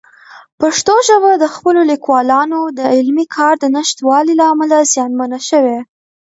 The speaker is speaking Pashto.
پښتو ژبه د خپلو لیکوالانو د علمي کار د نشتوالي له امله زیانمنه شوې.